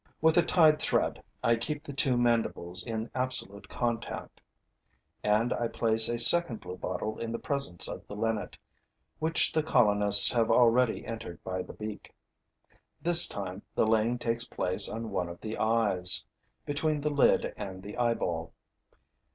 With a tied thread, I keep the two mandibles in absolute contact; and I place a second bluebottle in the presence of the linnet, which the colonists have already entered by the beak. This time, the laying takes place on one of the eyes, between the lid and the eyeball.